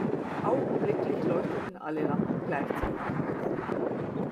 Augenblicklich leuchteten alle Lampen gleichzeitig auf.